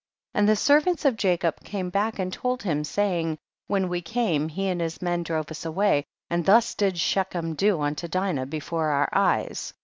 14. And tlie servants of Jacob came back and told him, saying, when we came, he and his men drove us away, and thus did fShechem do unto Dinah before our eves.